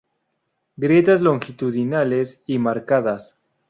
Grietas longitudinales y marcadas.